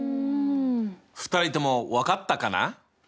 ２人とも分かったかな？